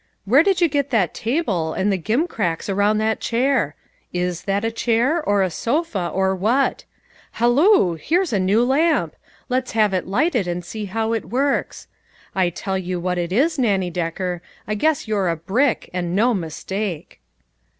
" Where did you get the table, and the gimcracks around that chair ? Is that a chair, or a sofa, or what ? Halloo! here's a new lamp. Let's have it lighted and see how it works. I tell you what it is, Nannie Decker, I guess you're a brick and no mistake."